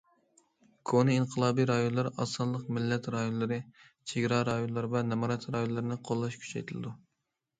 كونا ئىنقىلابىي رايونلار، ئاز سانلىق مىللەت رايونلىرى، چېگرا رايونلار ۋە نامرات رايونلارنى قوللاش كۈچەيتىلىدۇ.